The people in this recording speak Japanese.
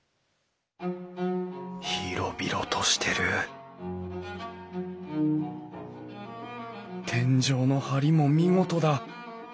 広々としてる天井の梁も見事だ！